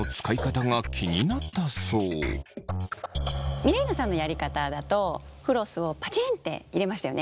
ミレイナさんのやり方だとフロスをパチンって入れましたよね？